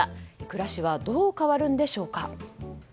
暮らしはどう変わるんでしょうか。